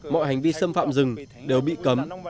mọi hành vi xâm phạm rừng đều bị cấm